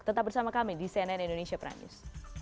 tetap bersama kami di cnn indonesia prime news